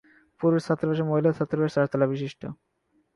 পুরুষ ছাত্রাবাস ও মহিলা ছাত্রাবাস চারতলা বিশিষ্ট।